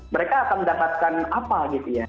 mereka akan mendapatkan apa gitu ya